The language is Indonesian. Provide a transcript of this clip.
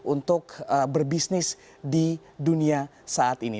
untuk berbisnis di dunia saat ini